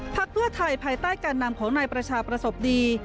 เพื่อไทยภายใต้การนำของนายประชาประสบดี